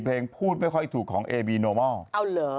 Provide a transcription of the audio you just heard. เพลงพูดไม่ค่อยถูกของเอบีโนมอลเอาเหรอ